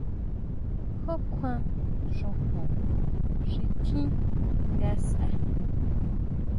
¿Ju kjuan xojon xi tjín ngasʼa?